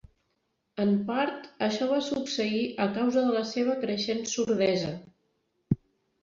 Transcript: En part, això va succeir a causa de la seva creixent sordesa.